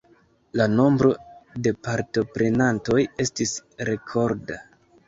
La nombro de partoprenantoj estis rekorda.